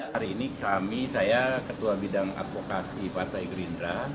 hari ini kami saya ketua bidang advokasi partai gerindra